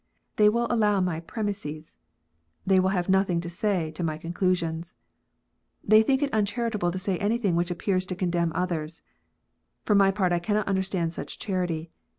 They will allow my premises : they will have nothing to say to my conclusions. They think it uncharitable to say anything which appears to condemn others. For my part I cannot understand such charity.